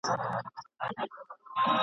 د اوښکو لاړ دي له یعقوبه تر کنعانه نه ځي !.